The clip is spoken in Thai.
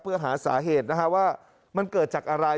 เพื่อหาสาเหตุว่ามันเกิดจากอะไร